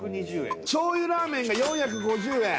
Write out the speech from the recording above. しょうゆラーメンが４５０円